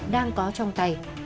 đang có trong tay